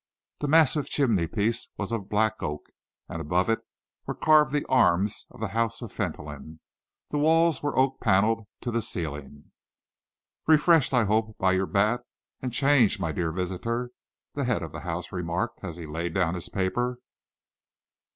The massive chimneypiece was of black oak, and above it were carved the arms of the House of Fentolin. The walls were oak panelled to the ceiling. "Refreshed, I hope, by your bath and change, my dear visitor?" the head of the house remarked, as he laid down his paper.